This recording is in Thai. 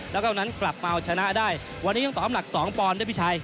แล้วก็วันนั้นกลับมาเอาชนะได้วันนี้ต้องตอบน้ำหนัก๒ปอนดด้วยพี่ชัย